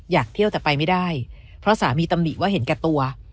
อยากเที่ยวแต่ไปไม่ได้เพราะสามีตำหนิว่าเห็นแก่ตัว